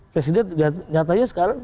presiden nyatanya sekarang